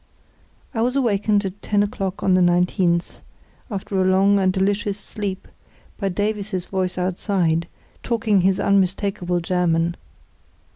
I was awakened at ten o'clock on the 19th, after a long and delicious sleep, by Davies's voice outside, talking his unmistakable German.